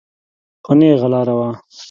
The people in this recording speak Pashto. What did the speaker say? خو نېغه روانه وه.